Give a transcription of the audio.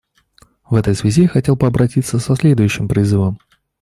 В этой связи я хотел бы обратиться со следующим призывом.